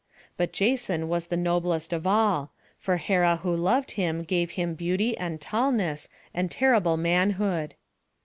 But Jason was the noblest of all; for Hera who loved him gave him beauty, and tallness, and terrible manhood.